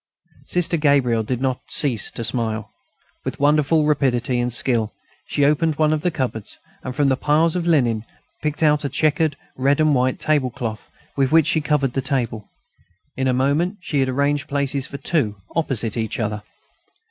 Sister Gabrielle did not cease to smile. With wonderful rapidity and skill she opened one of the cupboards, and, from the piles of linen, picked out a checkered red and white tablecloth with which she covered the table. In a moment she had arranged places for two, opposite each other.